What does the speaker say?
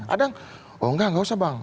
ada yang oh nggak nggak usah bang